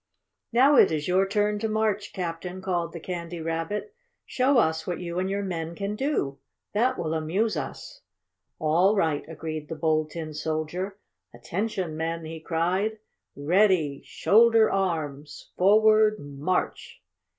"Now it is your turn to march, Captain!" called the Candy Rabbit. "Show us what you and your men can do. That will amuse us." "All right!" agreed the Bold Tin Soldier. "Attention, men!" he cried, "Ready! Shoulder arms! Forward March!"